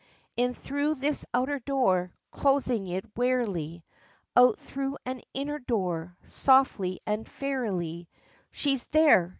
In through this outer door closing it warily; Out through an inner door softly and fairyly _She's there!